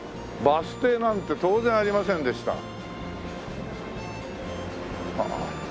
バス停なんて当然ありませんでした。